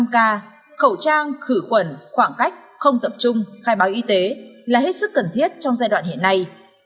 một mươi k khẩu trang khử khuẩn khoảng cách không tập trung khai báo y tế là hết sức cần thiết trong giai đoạn hiện nay